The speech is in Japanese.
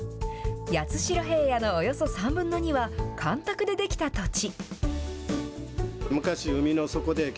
八代平野のおよそ３分の２は、干拓で出来た土地。